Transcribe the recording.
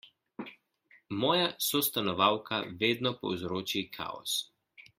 Moja sostanovalka vedno povzroči kaos.